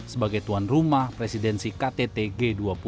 sebagai tuan rumah presidensi kttg dua puluh